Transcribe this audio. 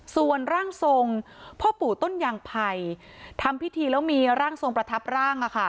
ส่วนร่างทรงพ่อปู่ต้นยางไพรทำพิธีแล้วมีร่างทรงประทับร่าง